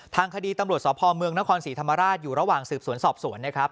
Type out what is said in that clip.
ทางคดีตำรวจสพเมืองนครศรีธรรมราชอยู่ระหว่างสืบสวนสอบสวนนะครับ